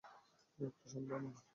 একটু শান্ত হও।